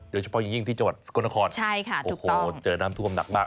โดยเฉพาะอย่างนี้ที่จังหวัดสกุนครใช่ค่ะถูกต้องเจอน้ำท่วมหนักมาก